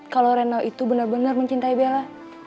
kalau reno itu bener bener mencintai bella